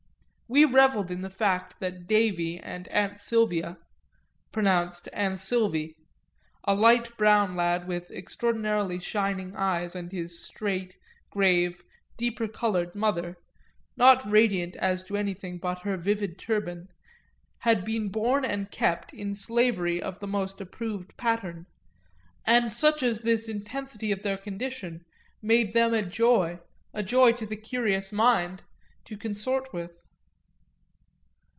We revelled in the fact that Davy and Aunt Sylvia (pronounced An'silvy,) a light brown lad with extraordinarily shining eyes and his straight, grave, deeper coloured mother, not radiant as to anything but her vivid turban, had been born and kept in slavery of the most approved pattern and such as this intensity of their condition made them a joy, a joy to the curious mind, to consort with.